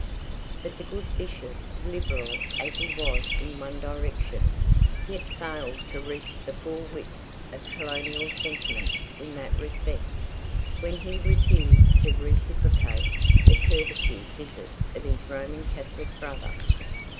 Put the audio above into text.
But the good Bishop, liberal as he was in one direction, yet failed to reach the full width of colonial sentiment in that respect, when he refused to reciprocate the courtesy visit of his Roman Catholic brother.